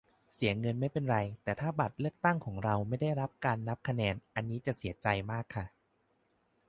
เสียเงินไม่เป็นไร แต่ถ้าบัตรเลือกตั้ง ของเราไม่ได้รับการนับคะแนน อันนี้จะเสียใจมากค่ะ